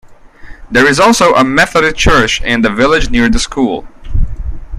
There is also a Methodist church in the village near the school.